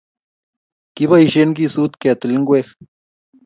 kiboisien kisut ketil ngwek